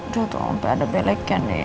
tuh tuh om baik ada beleknya nen